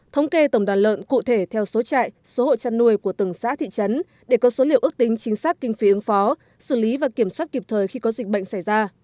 thống kê tổng đàn lợn cụ thể theo số trại số hộ chăn nuôi của từng xã thị trấn để có số liệu ước tính chính xác kinh phí ứng phó xử lý và kiểm soát kịp thời khi có dịch bệnh xảy ra